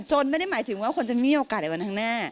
ไม่ได้หมายถึงว่าคนจะมีโอกาสในวันข้างหน้า